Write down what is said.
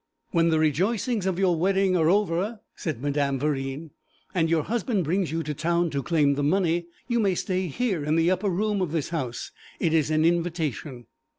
'When the rejoicings of your wedding are over,' said Madame Verine, 'and your husband brings you to town to claim the money, you may stay here in the upper room of this house it is an invitation.'